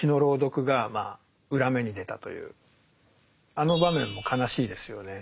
あの場面も悲しいですよね。